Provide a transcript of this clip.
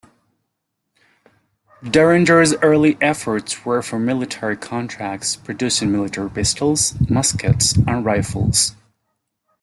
Deringer's early efforts were for military contracts, producing military pistols, muskets and rifles.